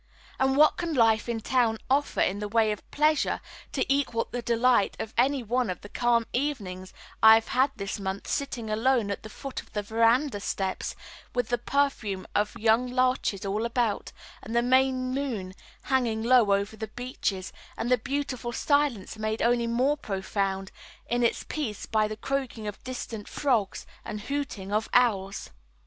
And what can life in town offer in the way of pleasure to equal the delight of any one of the calm evenings I have had this month sitting alone at the foot of the verandah steps, with the perfume of young larches all about, and the May moon hanging low over the beeches, and the beautiful silence made only more profound in its peace by the croaking of distant frogs and hooting of owls?